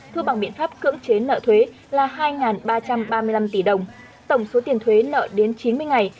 thu bằng biện pháp cưỡng chế nợ thuế là hai ba trăm ba mươi năm tỷ đồng tổng số tiền thuế nợ đến chín mươi ngày